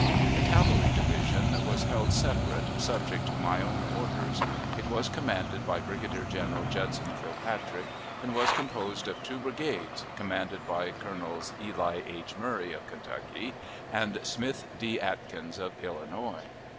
The cavalry division was held separate, subject to my own orders. It was commanded by Brigadier General Judson Kilpatrick, and was composed of two brigades, commanded by Colonels Eli H. Murray, of Kentucky, and Smith D. Atkins, of Illinois.